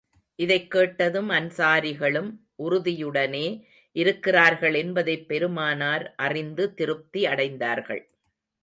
இதைக் கேட்டதும் அன்ஸாரிகளும் உறுதியுடனே இருக்கிறார்கள் என்பதைப் பெருமானார் அறிந்து திருப்தி அடைந்தார்கள்.